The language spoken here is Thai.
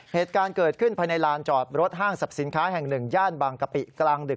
เหตุการณ์เกิดขึ้นภายในลานจอดรถห้างสรรพสินค้าแห่งหนึ่งย่านบางกะปิกลางดึก